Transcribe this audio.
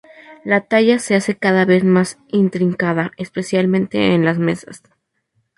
La talla se hace cada vez más intrincada, especialmente en las mesas.